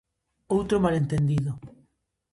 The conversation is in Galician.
Outro malentendido.